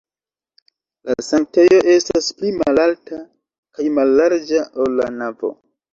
La sanktejo estas pli malalta kaj mallarĝa, ol la navo.